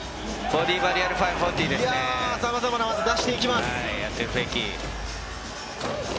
さまざまな技を出していきます。